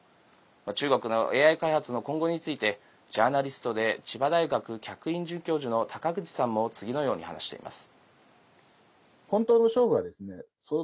中国のＡＩ開発の今後についてジャーナリストで千葉大学客員准教授の高口さんも次のように話しています。